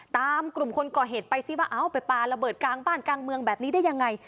ตามกลุ่มคนก่อเหตุไปซิว่าเอ้าไปปลาระเบิดกลางบ้านกลางเมืองแบบนี้ได้ยังไง